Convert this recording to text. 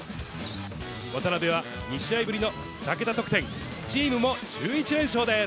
渡邊は２試合ぶりの２桁得点、チームも１１連勝です。